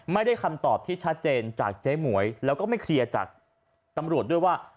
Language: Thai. ไม่ได้คำตอบที่ชัดเจนจากเจ๊หมวยแล้วก็ไม่เคลียร์จากตำรวจด้วยว่า